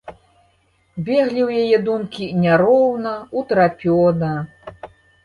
Беглі ў яе думкі няроўна, утрапёна.